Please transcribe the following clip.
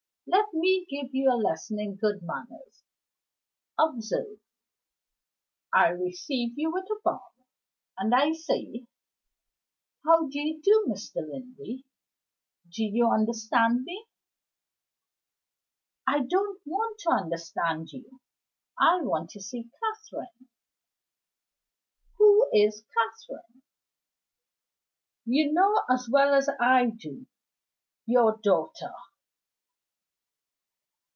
Let me give you a lesson in good manners. Observe: I receive you with a bow, and I say: How do you do, Mr. Linley? Do you understand me?" "I don't want to understand you I want to see Catherine." "Who is Catherine?" "You know as well as I do your daughter."